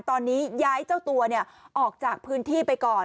ตอนนี้ย้ายเจ้าตัวออกจากพื้นที่ไปก่อน